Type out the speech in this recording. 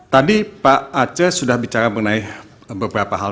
tadi pak aceh sudah bicara mengenai beberapa hal